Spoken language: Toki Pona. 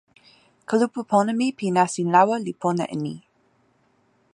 kulupu pona mi pi nasin lawa li pona e ni.